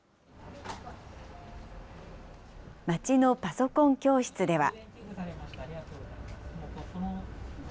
街のパソコン教室では。